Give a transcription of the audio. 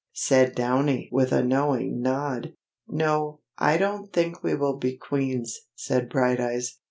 said Downy, with a knowing nod. "No I don't think we will be queens," said Brighteyes.